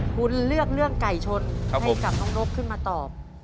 คุณเลือกเรื่องไก่ชนให้กับน้องนกขึ้นมาตอบ